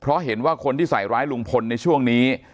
เพราะเห็นว่าคนที่ใส่ร้ายลุงพลในช่วงนี้